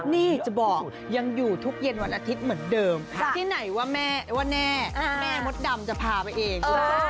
นี่จะบอกยังอยู่ทุกเย็นวันอาทิตย์เหมือนเดิมที่ไหนว่าแม่ว่าแน่แม่มดดำจะพาไปเอง